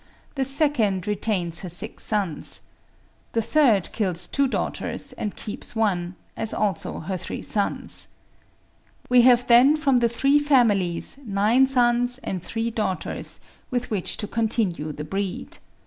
The second retains her six sons. The third kills two daughters and keeps one, as also her three sons. We have then from the three families, nine sons and three daughters, with which to continue the breed.